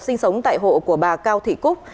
sinh sống tại hộ của bà cao thị cúc